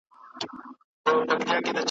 خوږېدل یې سرتر نوکه ټول هډونه .